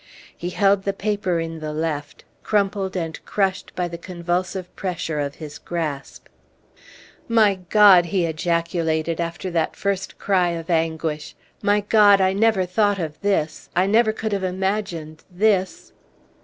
He held the paper in the left, crumpled and crushed by the convulsive pressure of his grasp. "My God!" he ejaculated, after that first cry of anguish, "my God! I never thought of this I never could have imagined this."